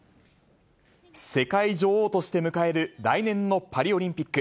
世界女王として迎える来年のパリオリンピック。